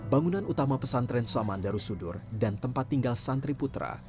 bangunan utama pesantren saman darussudur dan tempat tinggal santri putra